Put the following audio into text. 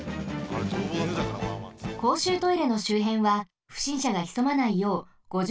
こうしゅうトイレのしゅうへんはふしんしゃがひそまないよう５０